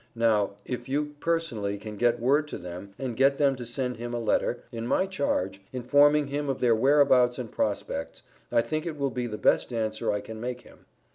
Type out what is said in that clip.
Now, if you personally can get word to them and get them to send him a letter, in my charge, informing him of their whereabouts and prospects, I think it will be the best answer I can make him.